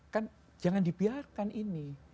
kan jangan dibiarkan ini